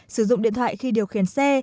sử dụng điện thoại khi điều khiển xe